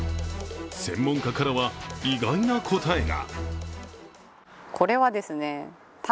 専門家からは意外な答えが。